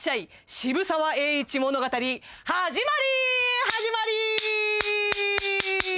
渋沢栄一物語はじまりはじまり！